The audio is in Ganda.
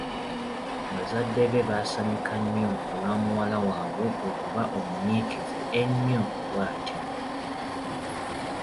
Bazadde be baasanyuka nnyo olwa muwala waabwe okuba omunyiikivu ennyo bwatyo.